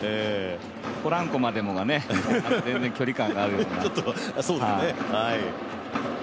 ポランコまでもが、全然、距離感があるような。